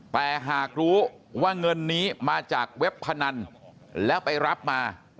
แต่หากรู้ว่าเงินนี้มาจากเว็บพนันแล้วไปรับมา